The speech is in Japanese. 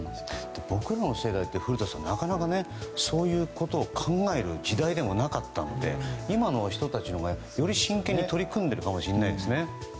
僕らの世代って古田さん、なかなかそういうことを考える時代でもなかったので今の人たちのほうがより真剣に取り組んでいるかもしれないですね。